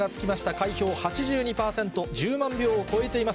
開票８２％、１０万票を超えています。